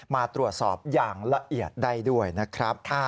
มาตรวจสอบอย่างละเอียดได้ด้วยนะครับ